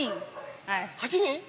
８人？